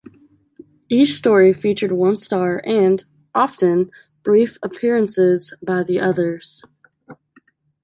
Each story featured one star and, often, brief appearances by the others.